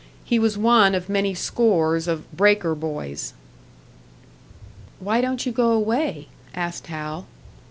He was one of many scores of "breaker boys." "Why don't you go away?" asked Hal.